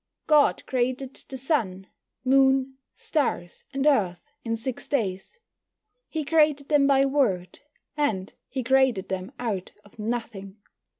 God created the Sun, Moon, Stars, and Earth in six days. He created them by word, and He created them out of nothing.